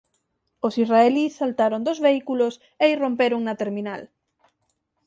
Os israelís saltaron dos vehículos e irromperon na terminal.